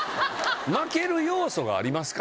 負ける要素がありますか？